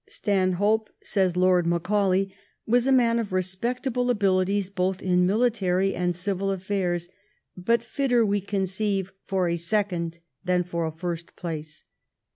' Stanhope,' says Lord Macaulay, ' was a man of respectable abilities both in military and civil affairs, but fitter, we conceive, for a second than for a first place.'